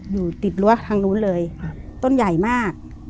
อยู่ติดรั้วทางนู้นเลยต้นใหญ่มาก